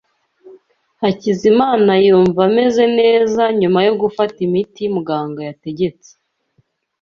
Hakizimana yumva ameze neza nyuma yo gufata imiti muganga yategetse.